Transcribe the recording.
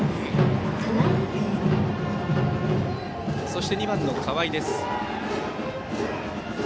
そして２番の河合です。